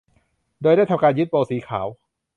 โดยได้ทำการยึดโบว์สีขาว